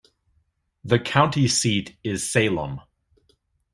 The county seat is Salem.